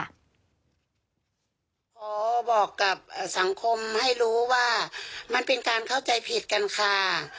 ขอบอกกับสังคมให้รู้ว่ามันเป็นการเข้าใจผิดกันค่ะ